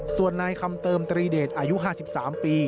ส่วนนายคำเติมตรีเดชอายุ๕๓ปี